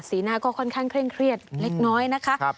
หน้าก็ค่อนข้างเคร่งเครียดเล็กน้อยนะคะ